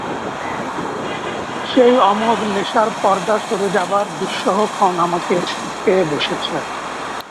সেই অমোঘ নেশার পরদা সরে যাবার দুঃসহ ক্ষণ আমাকে পেয়ে বসেছে।